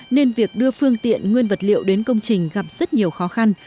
nên việc đưa phương tiện nguyên vật liệu đến công trình gặp rất nhiều khó khăn